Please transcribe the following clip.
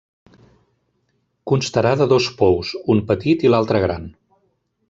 Constarà de dos pous, un petit i l'altre gran.